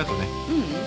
ううん。